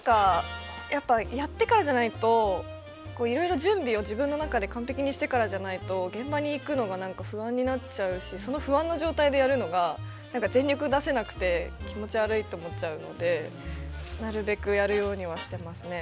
やっぱりやってからじゃないといろいろ準備を自分の中で完璧にしてからじゃないと現場に行くのが不安になっちゃうしその不安の状態でやるのが全力を出せなくて気持ち悪いと思っちゃうのでなるべくやるようにはしてますね。